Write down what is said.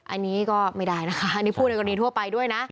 อันนี้ก็ไม่ได้นะคะอันนี้พูดในกรณีทั่วไปด้วยนะ